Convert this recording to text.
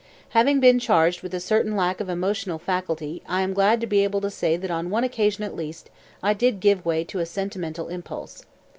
Having been charged with a certain lack of emotional faculty I am glad to be able to say that on one occasion at least I did give way to a sentimental impulse.